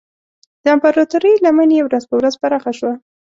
د امپراتورۍ لمن یې ورځ په ورځ پراخه شوه.